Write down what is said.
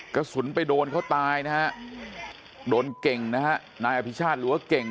กระสุนไปโดนเขาตายนะฮะโดนเก่งนะฮะนายอภิชาติหรือว่าเก่ง